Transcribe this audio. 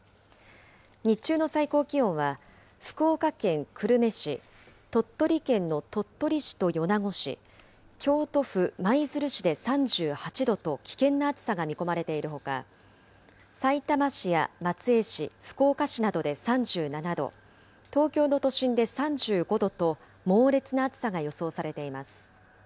日中の最高気温は福岡県久留米市、鳥取県の鳥取市と米子市、京都府舞鶴市で３８度と危険な暑さが見込まれているほか、さいたま市や松江市、福岡市などで３７度、東京の都心で３５度と、猛烈な暑さが予想されています。